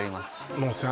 もうさ